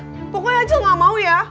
hah pokoknya acil gak mau ya